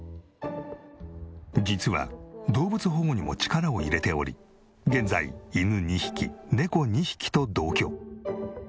実は動物保護にも力を入れており現在犬２匹猫２匹と同居。